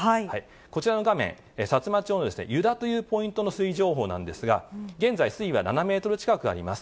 こちらの画面、さつま町のゆだというポイントの水位情報なんですが、現在、水位は７メートル近くあります。